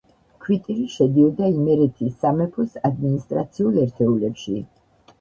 ქვიტირი შედიოდა იმერეთის სამეფოს ადმინისტრაციულ ერთეულებში